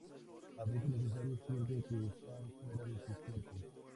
A veces los usuarios sienten que están fuera de sus cuerpos.